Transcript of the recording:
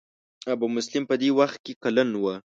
ابو مسلم په دې وخت کې کلن و.